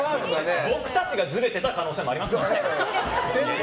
僕たちがずれてた可能性もありますから。